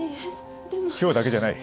今日だけじゃない。